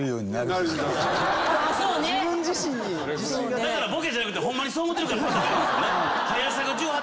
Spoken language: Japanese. だからボケじゃなくてホンマにそう思ってるからぱっと出る。